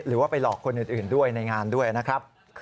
หรือว่าไปหลอกคนอื่นด้วยในงานด้วยนะครับ